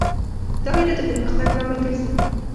دا وېره د پرمختګ لامل ګرځي.